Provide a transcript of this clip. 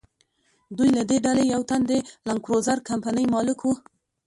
دوی له دې ډلې یو تن د لکزور کمپنۍ مالک و.